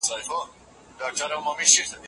له تا قربان سم مهربانه بابا